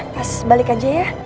pas balik aja ya